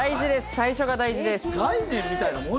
最初が大事です。